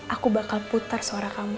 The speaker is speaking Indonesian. aku bakal putar suara kamu